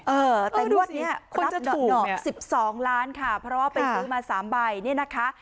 เออแต่งวดเนี่ยคนจะถูกเนี่ยรับหนอ๑๒ล้านค่ะเพราะว่าไปซื้อมา๓ใบนี่นะคะ